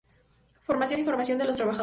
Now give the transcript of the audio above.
Formación e información de los trabajadores.